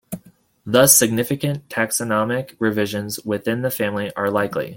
Thus, significant taxonomic revisions within the family are likely.